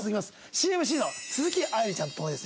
新ＭＣの鈴木愛理ちゃんとともにですね